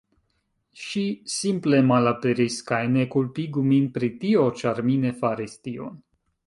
Ŝi simple malaperis kaj ne kulpigu min pri tio ĉar mi ne faris tion